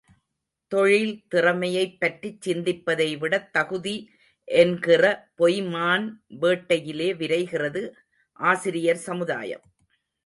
தொழில் திறமையைப் பற்றிச் சிந்திப்பதைவிடத் தகுதி என்கிற பொய்மான் வேட்டையிலே விரைகிறது ஆசிரியர் சமுதாயம்.